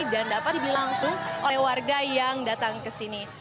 dan dapat dibilang langsung oleh warga yang datang ke sini